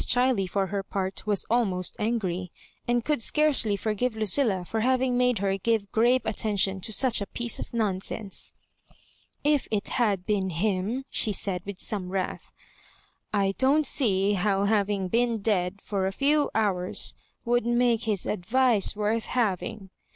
Chiley, for her part, was almost angry, and could scarcely forgive Lucilla for having made her give grave attention to such a piece of nonsense. " If it Tiad been him," she said, with some wrath, " I don't seer how hav ing been dead for a few hours would make his advice worth having.